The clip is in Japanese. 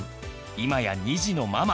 今や２児のママ！